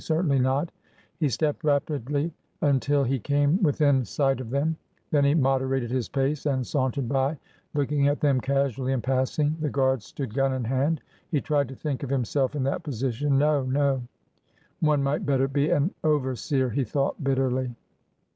Certainly not. He stepped rapidly until he came within sight of them. Then he moderated his pace and saun tered by, looking at them casually in passing. The guards stood gun in hand. He tried to think of himself in that position. No ! No !'' One might better be an over seer,'' he thought bitterly.